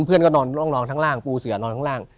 เพื่อนก็นอนร่องนองทั้งล่างปูเสือนอนข้างล่าง